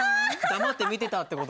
黙って見てたって事？